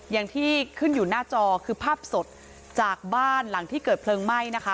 อย่างที่ขึ้นอยู่หน้าจอคือภาพสดจากบ้านหลังที่เกิดเพลิงไหม้นะคะ